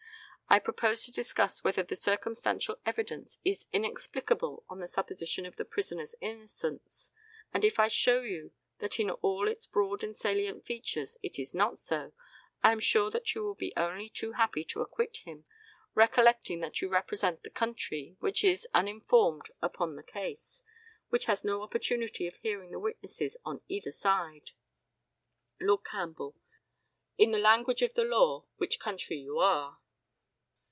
I propose to discuss whether the circumstantial evidence is inexplicable on the supposition of the prisoner's innocence; and, if I show you that in all its broad and salient features it is not so, I am sure that you will be only too happy to acquit him, recollecting that you represent the country, which is uninformed upon the case, which has no opportunity of hearing the witnesses on either side. Lord CAMPBELL: In the language of the law "which country you are."